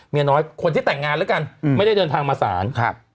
เมียน้อยคนที่แต่งงานแล้วกันไม่ได้เดินทางมาศาลครับ